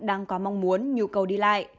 đang có mong muốn nhu cầu đi lại